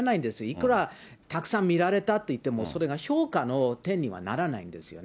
いくらたくさん見られたといっても、それが評価の点にはならないんですよね。